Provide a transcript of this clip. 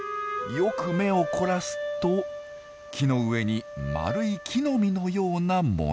よく目を凝らすと木の上に丸い木の実のようなもの。